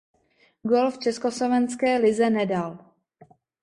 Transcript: Gól v československé lize nedal.